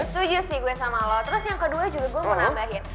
suges nih gue sama lo terus yang kedua juga gue mau nambahin